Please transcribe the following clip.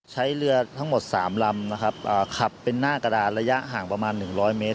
ใช้เรือทั้งหมด๓ลำนะครับขับเป็นหน้ากระดานระยะห่างประมาณ๑๐๐เมตร